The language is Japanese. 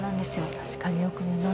確かによく見ます。